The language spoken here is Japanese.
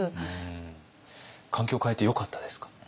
環境変えてよかったですか？